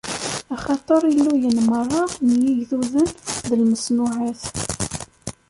Axaṭer illuyen merra n yigduden d lmeṣnuɛat.